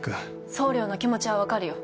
総領の気持ちは分かるよ。